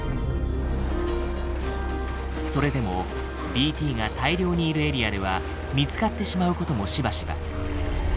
それでもＢＴが大量にいるエリアでは見つかってしまうこともしばしば。